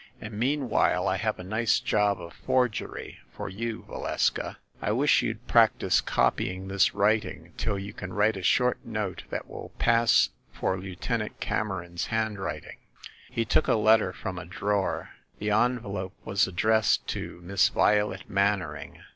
And meanwhile I have a nice job of forgery for you, Valeska. I wish you'd practise copy ing this writing till you can write a short note that will pass for Lieutenant Cameron's handwriting." He took a letter from a drawer. The envelope was addressed to Miss Violet Mannering.